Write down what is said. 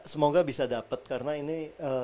semoga bisa dapat karena ini